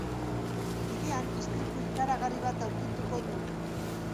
Bidean istripu ikaragarri bat aurkituko du.